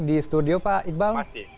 di studio pak iqbal